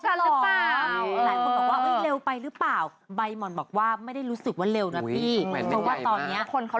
ก็เลยเป็นเอาแหวงมาแล้วพูดข่าวขอแต่งงานนี่คือเป็นของขวัญอันดับ๕ปะครับ